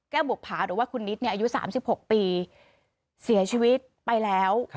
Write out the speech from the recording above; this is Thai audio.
บุภาหรือว่าคุณนิดอายุ๓๖ปีเสียชีวิตไปแล้ว